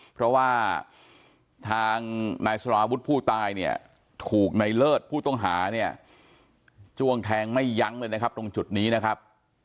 เพราะว่าทางนายสารวุฒิผู้ตายเนี่ยถูกในเลิศผู้ต้องหาเนี่ยจ้วงแทงไม่ยั้งเลยนะครับตรงจุดนี้นะครับ